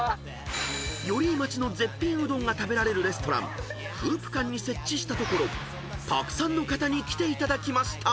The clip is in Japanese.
［寄居町の絶品うどんが食べられるレストラン「風布館」に設置したところたくさんの方に来ていただきました］